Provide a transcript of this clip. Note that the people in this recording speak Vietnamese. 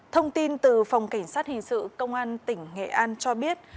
thông tin từ phòng cảnh sát hình sự công an tỉnh nghệ an cho biết